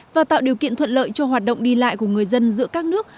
và tạo điều kiện thuận lợi cho hoạt động đi lại của người dân giữa các nước